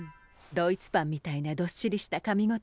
ドイツパンみたいなどっしりしたかみ応え。